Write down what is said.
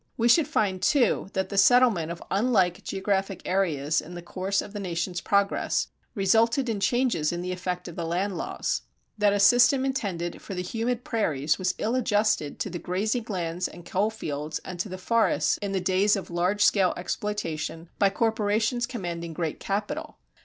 We should find, too, that the settlement of unlike geographic areas in the course of the nation's progress resulted in changes in the effect of the land laws; that a system intended for the humid prairies was ill adjusted to the grazing lands and coal fields and to the forests in the days of large scale exploitation by corporations commanding great capital.